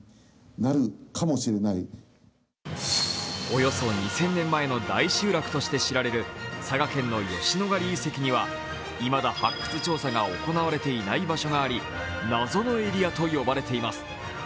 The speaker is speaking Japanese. およそ２０００年前の大集落として知られる佐賀県の吉野ヶ里遺跡にはいまだ発掘調査が行われていない場所があり、謎のエリアと呼ばれています。